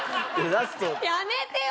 やめてよ！